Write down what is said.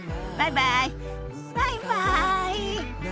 バイバイ。